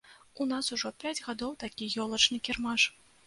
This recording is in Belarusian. У нас ужо пяць гадоў такі ёлачны кірмаш.